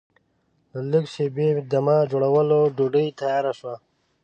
له لږ شېبې دمه جوړولو ډوډۍ تیاره شوه.